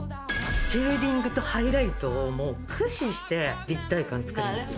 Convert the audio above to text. シェーディングとハイライトを駆使して立体感作るんですよ。